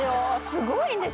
すごいんですよ。